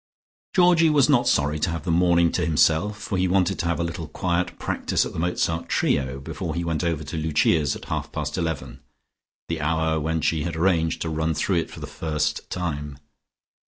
Georgie was not sorry to have the morning to himself, for he wanted to have a little quiet practice at the Mozart trio, before he went over to Lucia's at half past eleven, the hour when she had arranged to run through it for the first time.